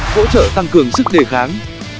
hỗ trợ tăng cường sức đề kháng